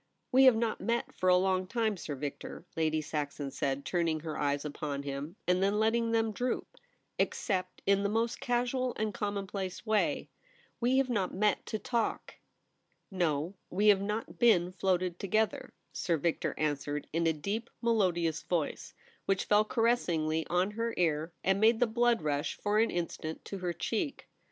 ' We have not met for a long time, Sir Victor,' Lady Saxon said, turning her eyes upon him, and then letting them droop ;* ex cept in the most casual and commonplace way. We have not met to talk.' ' No, we have not been floated together,' Sir Victor answered in a deep melodious voice, which fell caressingly on her ear, and made the blood rush for an instant to ON THE TERRACE. 39 her cheek.